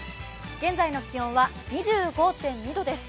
現在の気温は２５．２度です。